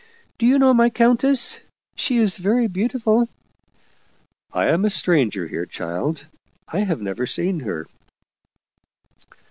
Do you know my countess? She is very beautiful." " I am a stranger here, child. I have never seen her."